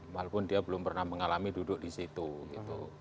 walaupun dia belum pernah mengalami duduk di situ gitu